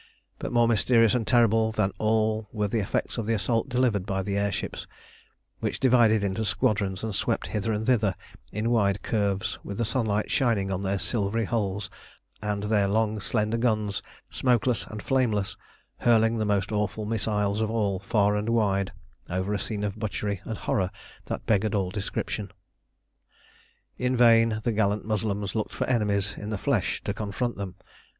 But more mysterious and terrible than all were the effects of the assault delivered by the air ships, which divided into squadrons and swept hither and thither in wide curves, with the sunlight shining on their silvery hulls and their long slender guns, smokeless and flameless, hurling the most awful missiles of all far and wide, over a scene of butchery and horror that beggared all description. In vain the gallant Moslems looked for enemies in the flesh to confront them.